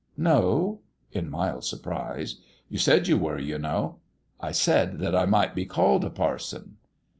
"No?" in mild surprise. "You said you were, you know !"" I said that I might be called a parson."